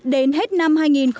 đến hết năm hai nghìn một mươi bảy